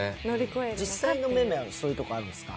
実際のめめは、そういうところあるんですか？